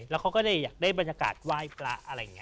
แล้วเขาก็อยากได้บรรยากาศไหว้พระอะไรอย่างนี้